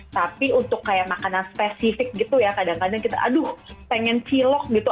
tapi untuk kayak makanan spesifik gitu ya kadang kadang kita aduh pengen cilok gitu